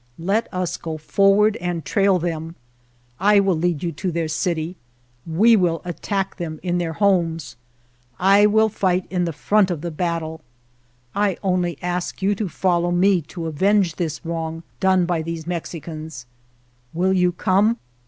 Let us go forward and trail them — I will lead you to their city — we will attack them in their homes. I will fight in the front of the battle — I only ask you to follow me to avenge this wrong done by these Mexicans — will you come?